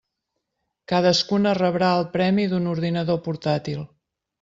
Cadascuna rebrà el premi d'un ordinador portàtil.